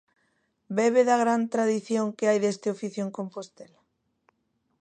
Bebe da gran tradición que hai deste oficio en Compostela?